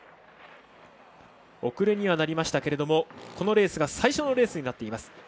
遅れにはなりましたけれどもこのレースが最初のレースになっています。